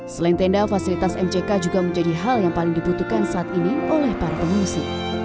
selain tenda fasilitas mck juga menjadi hal yang paling dibutuhkan saat ini oleh para pengungsi